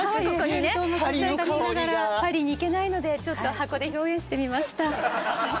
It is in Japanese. ここにねパリの香りがパリに行けないのでちょっと箱で表現してみました